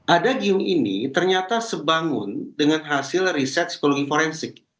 ada giung ini ternyata sebangun dengan hasil riset psikologi forensik